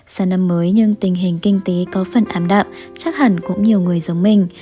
sao năm mới nhưng tình hình kinh tế có phần ám đạm chắc hẳn cũng nhiều người giống mình